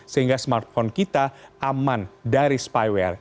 sehingga smartphone kita aman dari spyware